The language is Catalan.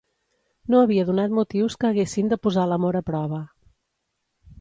No havia donat motius que haguessin de posar l'amor a prova